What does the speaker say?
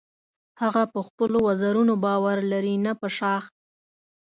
هغه په خپلو وزرونو باور لري نه په شاخ.